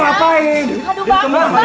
ya allah di mana nih